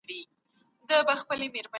زه د شرکتونو لپاره پیسې ورکوم.